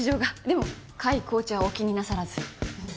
でも甲斐コーチはお気になさらず。